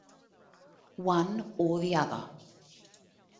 One or the other.